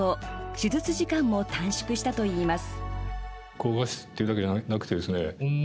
手術時間も短縮したといいます。